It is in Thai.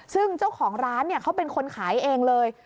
ซึ่งเจ้าของร้านเขาเป็นคนขายเองเลย